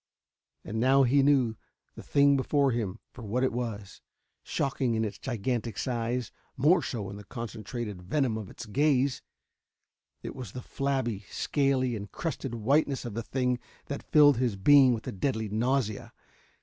And now he knew the thing before him for what it was. Shocking in its gigantic size, more so in the concentrated venom of its gaze, it was the flabby, scaly and crusted whiteness of the thing that filled his being with a deadly nausea.